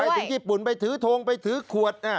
ถึงญี่ปุ่นไปถือทงไปถือขวด